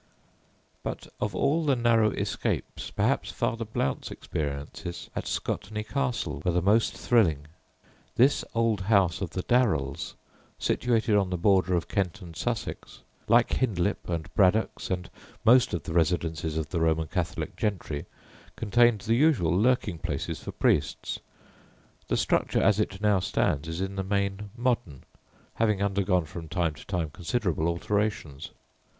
But of all the narrow escapes perhaps Father Blount's experiences at Scotney Castle were the most thrilling. This old house of the Darrells, situated on the border of Kent and Sussex, like Hindlip and Braddocks and most of the residences of the Roman Catholic gentry, contained the usual lurking places for priests. The structure as it now stands is in the main modern, having undergone from time to time considerable alterations.